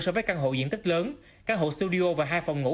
so với căn hộ diện tích lớn căn hộ studio và hai phòng ngủ